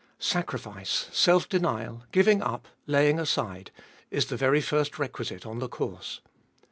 Sacrifice, self denial, giving up, laying aside, is the very first requisite on the course.